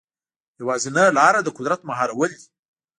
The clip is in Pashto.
یوازینۍ لاره د قدرت مهارول دي.